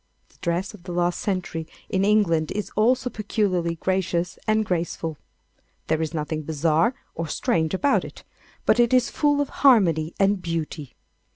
The dress of the last century in England is also peculiarly gracious and graceful. There is nothing bizarre or strange about it, but it is full of harmony and beauty.